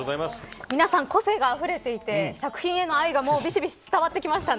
皆さん、個性があふれていて作品への愛がびしびし伝わってきましたね。